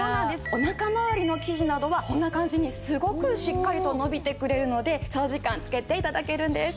お腹まわりの生地などはこんな感じにすごくしっかりと伸びてくれるので長時間着けて頂けるんです。